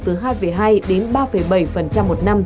từ hai hai đến ba bảy một năm